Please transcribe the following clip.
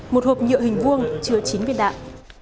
một hộp nhựa hình vuông chứa chín viên đạn